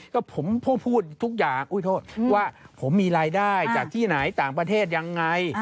ก็ผมพูดทุกอย่างอุ้ยโทษว่าผมมีรายได้จากที่ไหนต่างประเทศยังไง